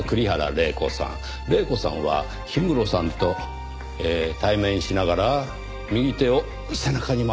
玲子さんは氷室さんと対面しながら右手を背中に回していますね。